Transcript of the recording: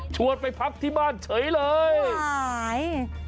ไปพักที่บ้านเฉยเลยหาย